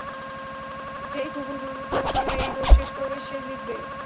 যেই কুকুর দ্রুততম সময়ে এই দৌড় শেষ করবে, সে জিতবে।